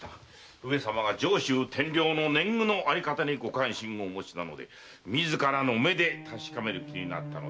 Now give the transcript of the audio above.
上様が上州天領の年貢のあり方にご関心をお持ちなので自らの目で確かめる気になったのであろう。